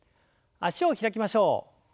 脚を開きましょう。